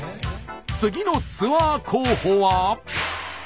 次のツアー候補は？